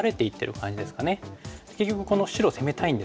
結局この白を攻めたいんですけども。